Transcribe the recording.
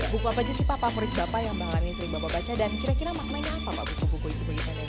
buku apa aja sih pak favorit bapak yang mengalami sering bapak baca dan kira kira maknanya apa pak buku buku itu bagi anda